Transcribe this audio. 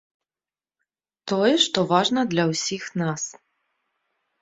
Тое, што важна для ўсіх нас.